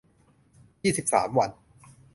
ยี่สิบสาม วัน